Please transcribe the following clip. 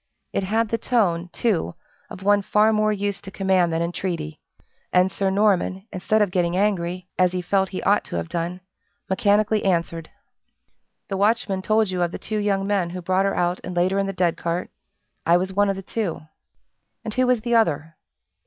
It had the tone, too, of one far more used to command than entreaty; and Sir Norman, instead of getting angry, as he felt he ought to have done, mechanically answered: "The watchman told you of the two young men who brought her out and laid her in the dead cart I was one of the two." "And who was the other?"